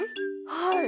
はい。